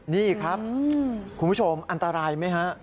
นี่ครับคุณผู้ชมอันตรายไหมฮะ